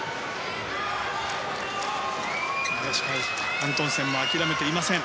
アントンセンも諦めていません。